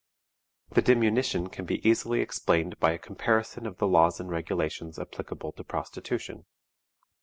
The diminution can be easily explained by a comparison of the laws and regulations applicable to prostitution.